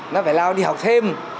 nó phải lao đi học thêm